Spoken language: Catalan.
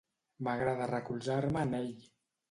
M'agrada recolzar-me en ell.